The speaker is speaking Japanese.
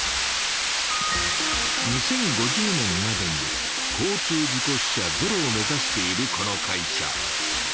２０５０年までに交通事故死者ゼロを目ざしているこの会社。